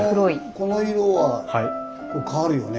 この色はこう変わるよね。